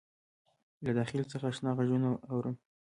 له داخل څخه آشنا غــږونه اورم